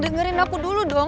dengerin aku dulu dong